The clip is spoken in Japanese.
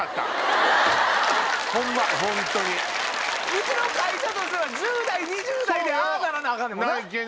うちの会社としては１０代２０代でああならなアカンねんもんな。